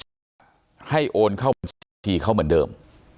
จะให้โอนเข้าที่เขาเหมือนเดิม